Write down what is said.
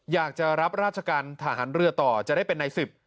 อยากจะรับราชการทหารเรือต่อจะได้เป็นใน๑๐